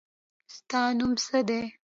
ستا نوم څه دی ؟